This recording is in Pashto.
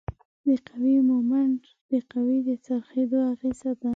د قوې مومنټ د قوې د څرخیدو اغیزه ده.